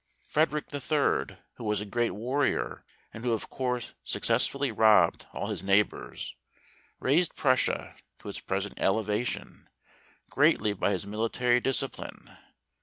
Frederick III. who was a great w arrior, and who of course successfully robbed all his neigh¬ bours, raised Prussia to its present elevation, greatly by his military discipline.